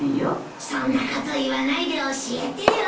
そんなこと言わないで教えてよ。